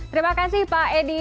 terima kasih pak edi